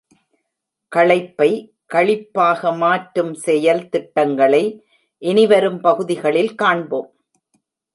களைப்பை களிப்பாக மாற்றும் செயல் திட்டங்களை இனிவரும் பகுதிகளில் காண்போம்.